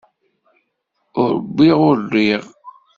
Ur wwiɣ ur rriɣ.